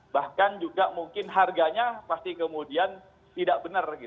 bahkan juga mungkin harganya pasti kemudian tidak benar